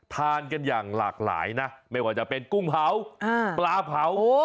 ทานกันอย่างหลากหลายนะไม่ว่าจะเป็นกุ้งเผาปลาเผา